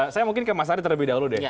saya mungkin ke mas ari terlebih dahulu deh